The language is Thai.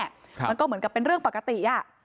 มันก็เหมือนกับเป็นเรื่องปกติอ่ะ